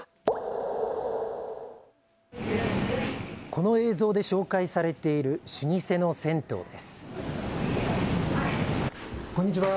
この映像で紹介されている老舗の銭湯です。